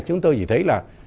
chúng tôi chỉ thấy là